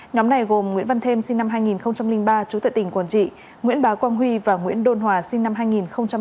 nhóm này gồm nguyễn văn thêm sinh năm hai nghìn ba chú tệ tỉnh quảng trị nguyễn bá quang huy và nguyễn đôn hòa sinh năm hai nghìn ba